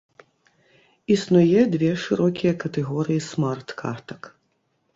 Існуе дзве шырокія катэгорыі смарт-картак.